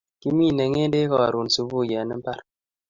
Kimine ngedek karun subui en imbar